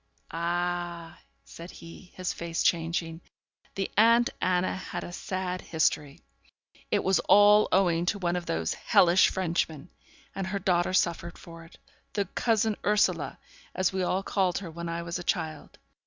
'Ah!' said he, his face changing, 'the aunt Anna had a sad history. It was all owing to one of those hellish Frenchmen; and her daughter suffered for it the cousin Ursula, as we all called her when I was a child.